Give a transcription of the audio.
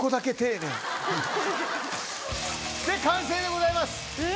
完成でございます。